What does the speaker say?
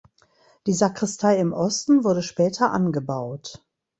Die Sakristei im Osten wurde später angebaut.